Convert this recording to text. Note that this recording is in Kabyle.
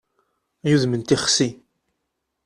Ay udem n tixsi!